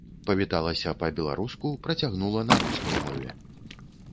Павіталася па-беларуску, працягнула на рускай мове.